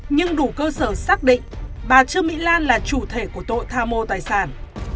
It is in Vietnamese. nhưng đủ cơ sở xác định bà trương mỹ lan là chủ thể của tội tham mô tài sản